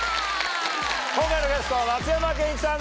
今回のゲストは松山ケンイチさんです！